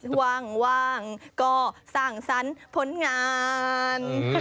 หวังก็สร้างสรรพลงาน